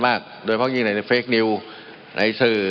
มันมีมาต่อเนื่องมีเหตุการณ์ที่ไม่เคยเกิดขึ้น